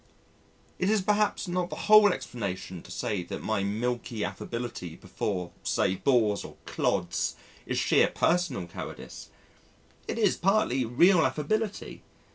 It is perhaps not the whole explanation to say that my milky affability before, say bores or clods is sheer personal cowardice.... It is partly real affability.